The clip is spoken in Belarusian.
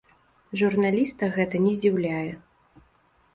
Журналіста гэта не здзіўляе.